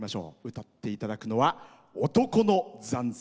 歌っていただくのは「男の残雪」。